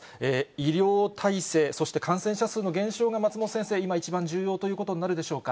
医療体制、そして感染者数の減少が、松本先生、今、一番重要ということになるでしょうか？